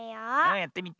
やってみて。